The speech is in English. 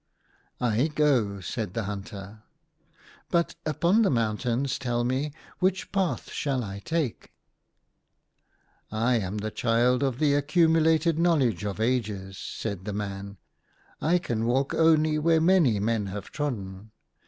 " I go," said the hunter ;" but upon the mountains, tell me, which path shall I take ?"" I am the child of The Accumulated Knowledge of Ages," said the man ;" I can walk only where many men have trodden.